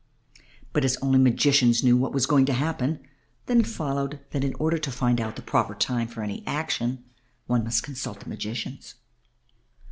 But as only magicians knew what was going to happen, then it followed that in order to find out the proper time for any action one must consult the magicians.